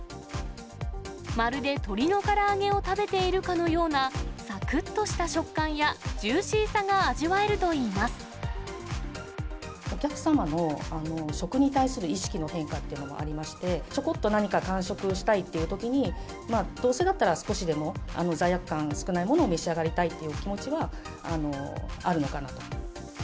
まるで鶏のから揚げを食べているかのような、さくっとした食感や、ジューシーさが味わえるとお客様の食に対する意識の変化っていうのがありまして、ちょこっと何か間食したいってときに、どうせだったら、少しでも罪悪感少ないものを召し上がりたいという気持ちはあるのかなと。